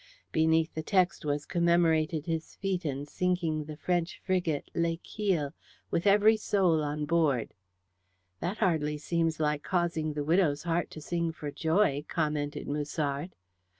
Beneath the text was commemorated his feat in sinking the French frigate L'Équille, with every soul on board." "That hardly seems like causing the widow's heart to sing for joy," commented Musard.